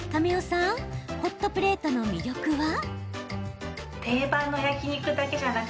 さんホットプレートの魅力は？